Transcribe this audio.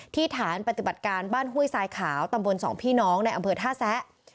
ฐานปฏิบัติการบ้านห้วยทรายขาวตำบลสองพี่น้องในอำเภอท่าแซะ